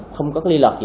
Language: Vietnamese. không có liên lạc gì